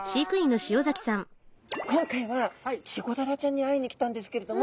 いや今回はチゴダラちゃんに会いに来たんですけれども。